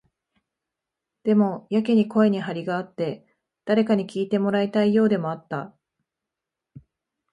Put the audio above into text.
でも、やけに声に張りがあって、誰かに聞いてもらいたいようでもあった。